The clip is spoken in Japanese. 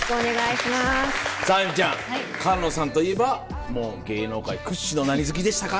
さぁあやみちゃん菅野さんといえば芸能界屈指の何好きでしたか？